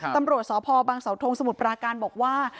ตำรวจสพบังเสาทงสมุทรปราการบอกว่า